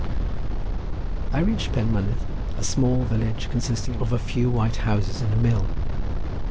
I reached Penmynnydd, a small village consisting of a few white houses and a mill.